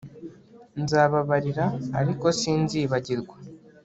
Nzababarira ariko sinzibagirwa